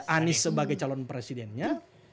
anies sebagai calon presidennya